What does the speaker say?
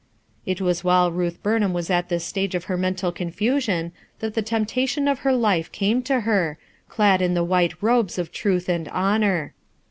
It was while Ruth Burnham was at this stago of her mental confusion that the temptation of her life came to her, clad in the white robes of truth and honor.